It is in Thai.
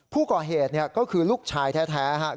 ผู้ก่อเหตุเนี่ยก็คือลูกชายแท้ฮะ